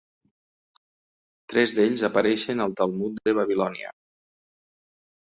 Tres d'ells apareixen al Talmud de Babilònia.